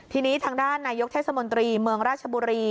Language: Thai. ทีนี้ทางด้านนายกเทศมนตรีเมืองราชบุรี